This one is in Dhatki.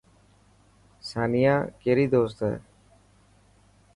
سانيا ڪيري دوست اي.